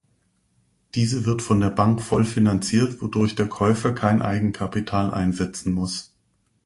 Diese wird von der Bank voll finanziert, wodurch der Käufer kein Eigenkapital einsetzen muss.